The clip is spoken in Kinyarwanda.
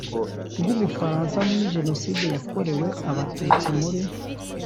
bw Ubufaransa muri Jenoside yakorewe Abatutsi muri